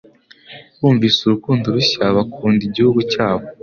Bumvise urukundo rushya bakunda igihugu cyabo.